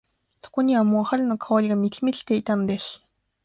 そこにはもう春の香りが満ち満ちていたのです。